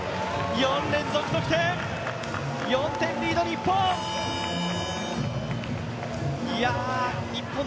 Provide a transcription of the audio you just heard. ４連続得点、４点リード、日本！